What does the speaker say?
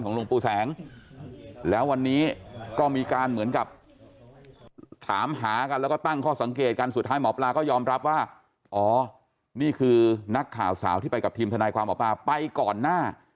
หลวงปู่แสงแล้ววันนี้ก็มีการเหมือนกับถามหากันแล้วก็ตั้งข้อสังเกตกันสุดท้ายหมอปลาก็ยอมรับว่าอ๋อนี่คือนักข่าวสาวที่ไปกับทีมทนายความหมอปลาไปก่อนหน้า